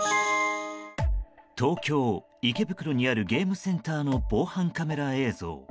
東京・池袋にあるゲームセンターの防犯カメラ映像。